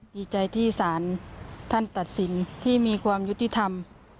ดีใจที่สารท่านตัดสินที่มีความยุติธรรม